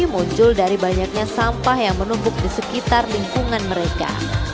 muncul dari banyaknya sampah yang menumpuk di sekitar lingkungan mereka